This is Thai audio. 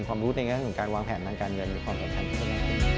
ความรู้ในการวางแผนทางการเงินมีความสำคัญที่สุด